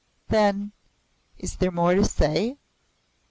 "Then is there more to say?"